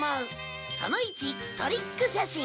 その１トリック写真。